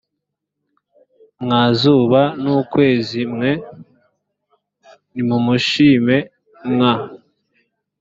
mwa zuba n ukwezi mwe nimumushime mwa